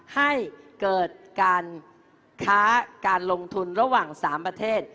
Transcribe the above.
ให้เกิดการค้าการลงทุนระหว่าง๓ประเทศ